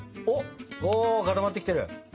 お固まってきてる！